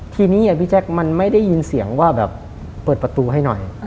ทีนี้พี่แจ๊คมันไม่ได้ยินเสียงว่าแบบเปิดประตูให้หน่อย